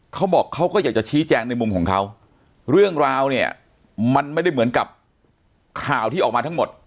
เขาบอกเขาก็อยากจะชี้แจงในมุมของเขาเรื่องราวเนี่ยมันไม่ได้เหมือนกับข่าวที่ออกมาทั้งหมด